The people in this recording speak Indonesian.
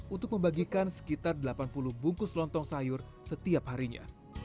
untuk membagikan sekitar delapan puluh bungkus lontong sayur setiap harinya